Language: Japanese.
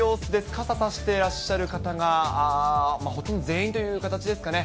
傘差してらっしゃる方がほとんど全員という形ですかね。